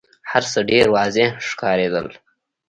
هرڅه ډېر واضح ښکارېدل.